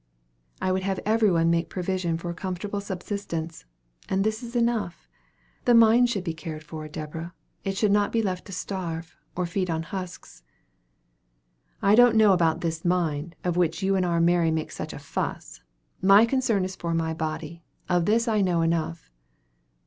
"I would have every one make provision for a comfortable subsistence; and this is enough. The mind should be cared for, Deborah. It should not be left to starve, or feed on husks." "I don't know about this mind, of which you and our Mary make such a fuss. My concern is for my body. Of this I know enough."